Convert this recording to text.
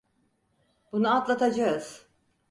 Bunu atlatacağız.